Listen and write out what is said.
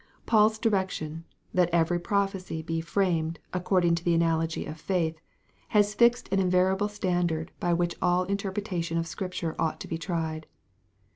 Paul's direction, that every prophecy be framed "according to the analogy of faith," has fixed an invariable standard by which all interpretation of Scripture ought to be tried.